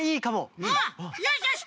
よしよし